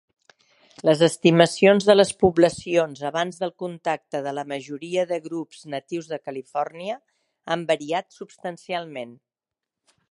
Les estimacions de les poblacions abans del contacte de la majoria de grups natius de Califòrnia han variat substancialment.